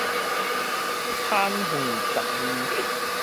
坦橫十二